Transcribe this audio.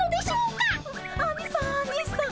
アニさんアニさん！